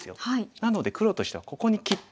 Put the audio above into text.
なので黒としてはここに切って。